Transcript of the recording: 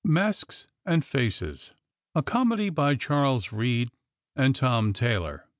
MASKS AND FACES. A Comedy by Charlbs Reade and Tom Tayloe.